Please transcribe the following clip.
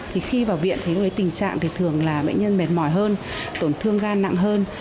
thì khi vào viện thì tình trạng thường là bệnh nhân mệt mỏi hơn tổn thương gan nặng hơn